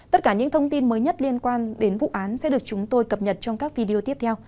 tất cả những thông tin mới nhất liên quan đến vụ án sẽ được chúng tôi cập nhật trong các video tiếp theo